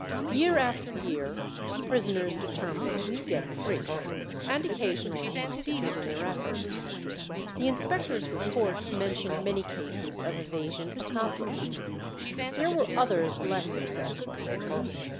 Year after year prisoners determined to get free, and occasionally succeeded in their efforts. The inspectors' reports mention many cases of evasion accomplished. There were others less successful.